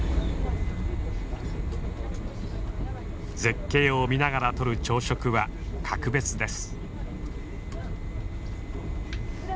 絶景を見ながらとる朝食は格別です。